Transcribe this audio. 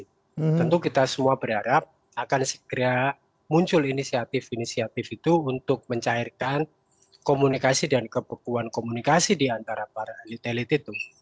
tentu kita semua berharap akan segera muncul inisiatif inisiatif itu untuk mencairkan komunikasi dan kebekuan komunikasi diantara para elit elit itu